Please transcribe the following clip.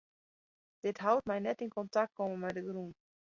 Dit hout mei net yn kontakt komme mei de grûn.